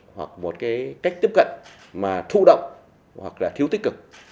hoặc một cái cách tiếp cận mà thụ động hoặc là thiếu tích cực